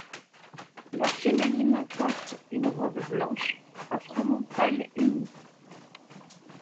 La fémeline porte une robe blanche à froment pâle unie.